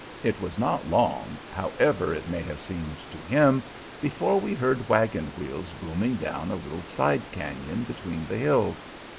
It was not long, however it may have seemed to him, before we heard wagon wheels booming down a little side cañon between the hills.